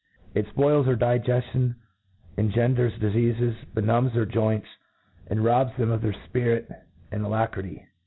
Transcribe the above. It fpoils their di geftion, engenders difeafes, benumbs their joints, and robs them of their fpirit and alacrity.